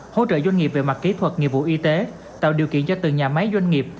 hỗ trợ doanh nghiệp về mặt kỹ thuật nghiệp vụ y tế tạo điều kiện cho từng nhà máy doanh nghiệp